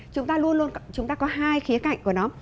chúng ta luôn luôn chúng ta có hai khía cạnh của nó